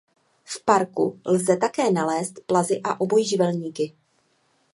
V parku lze také nalézt plazy a obojživelníky.